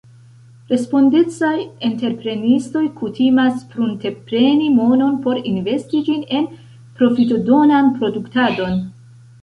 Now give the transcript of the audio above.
Respondecaj entreprenistoj kutimas pruntepreni monon por investi ĝin en profitodonan produktadon.